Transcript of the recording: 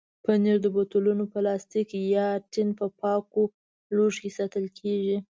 پنېر د بوتلونو، پلاستیک یا ټین په پاکو لوښو کې ساتل کېږي.